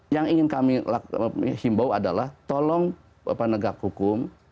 yang ingin kami himbau adalah tolong negak hukum